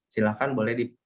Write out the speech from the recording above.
silahkan boleh diperhatikan